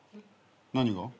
何が？